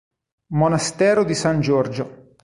Monastero di San Giorgio